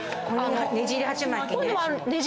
ねじり鉢巻きね。